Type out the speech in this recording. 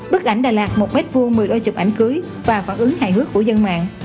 bức ảnh đà lạt một m hai mười đôi chụp ảnh cưới và phản ứng hài hước của dân mạng